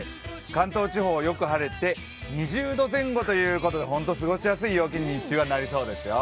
関東地方、よく晴れて２０度前後ということで、本当に過ごしやすい陽気に日中はなりそうですよ。